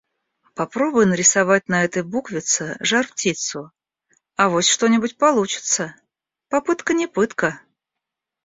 Попробуй нарисовать на этой буквице жар-птицу. Авось, что-нибудь получится! Попытка не пытка.